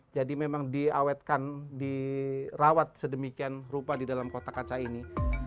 jadi memang diawetkan dirawat sedemikian rupa di dalam kota kaca ini